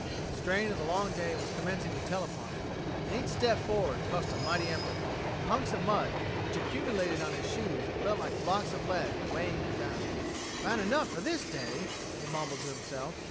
The strain of the long day was commencing to tell upon him, and each step forward cost a mighty effort. The hunks of mud which accumulated on his shoes felt like blocks of lead weighing him down. "About enough for this day," he mumbled to himself.